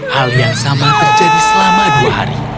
hal yang sama terjadi selama dua hari